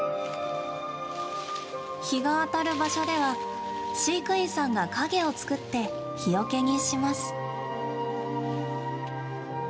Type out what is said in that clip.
日が当たる場所では飼育員さんが影を作って日よけにします。